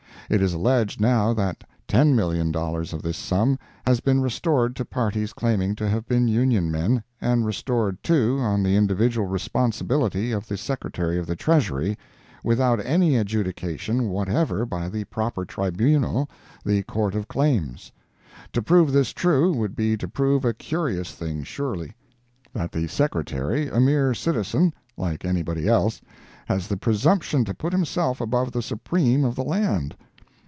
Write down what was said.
It is alleged now that $10,000,000 of this sum has been restored to parties claiming to have been Union men, and restored, too, on the individual responsibility of the Secretary of the Treasury, without any adjudication whatever by the proper tribunal, the Court of Claims. To prove this true, would be to prove a curious thing surely—that the Secretary, a mere citizen, like anybody else, has the presumption to put himself above the supreme of the land!